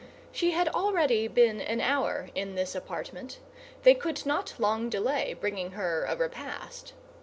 She had already been an hour in this apartment; they could not long delay bringing her a repast.